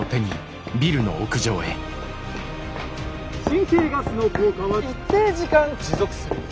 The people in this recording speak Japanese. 神経ガスの効果は一定時間持続する。